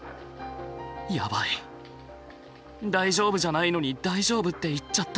やばい大丈夫じゃないのに大丈夫って言っちゃった。